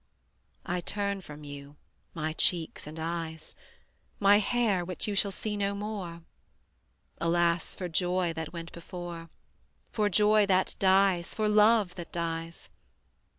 I turn from you my cheeks and eyes, My hair which you shall see no more, Alas for joy that went before, For joy that dies, for love that dies.